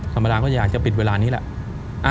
สำหรับร้านก็อยากจะปิดเวลานี้แหละ